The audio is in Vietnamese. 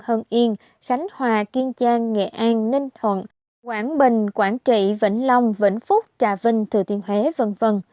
hân yên khánh hòa kiên trang nghệ an ninh thuận quảng bình quảng trị vĩnh long vĩnh phúc trà vinh thừa tiên huế v v